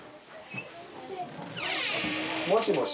もしもし。